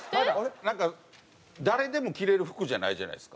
なんか誰でも着れる服じゃないじゃないですか。